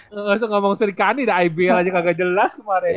enggak langsung ngomongin sri kandi aja aibil aja kagak jelas kemarin